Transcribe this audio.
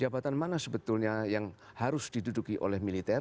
jadi itu adalah hal sebetulnya yang harus diduduki oleh militer